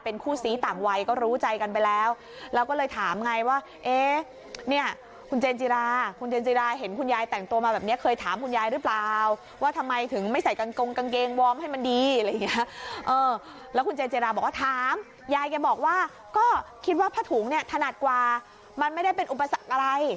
คู่ซี้ต่างวัยก็รู้ใจกันไปแล้วแล้วก็เลยถามไงว่าเอ๊ะเนี่ยคุณเจนจิราคุณเจนจิราเห็นคุณยายแต่งตัวมาแบบนี้เคยถามคุณยายหรือเปล่าว่าทำไมถึงไม่ใส่กางกงกางเกงวอร์มให้มันดีอะไรอย่างเงี้ยเออแล้วคุณเจนจิราบอกว่าถามยายแกบอกว่าก็คิดว่าผ้าถุงเนี่ยถนัดกว่ามันไม่ได้เป็นอุปสรรคอะไร